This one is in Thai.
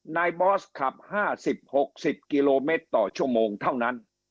บอสขับ๕๐๖๐กิโลเมตรต่อชั่วโมงเท่านั้น